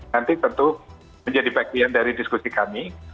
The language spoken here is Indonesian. nanti tentu menjadi bagian dari diskusi kami